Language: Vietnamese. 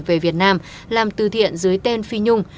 về việt nam làm tư thiện dưới tên phi nhung